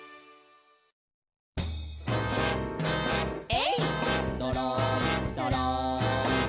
「えいっどろんどろん」